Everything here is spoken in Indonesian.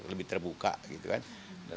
lebih terbuka gitu kan